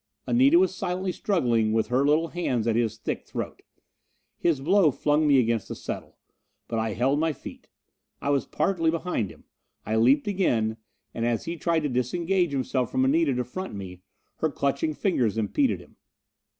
Anita was silently struggling with her little hands at his thick throat. His blow flung me against a settle. But I held my feet. I was partly behind him. I leaped again, and as he tried to disengage himself from Anita to front me, her clutching fingers impeded him.